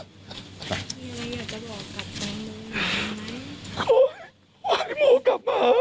มีอะไรอยากจะบอกกับตัวโมมาไหม